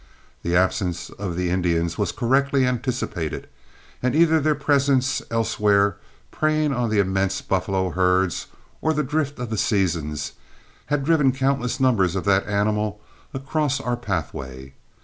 The absence of the Indians was correctly anticipated, and either their presence elsewhere, preying on the immense buffalo herds, or the drift of the seasons, had driven countless numbers of that animal across our pathway.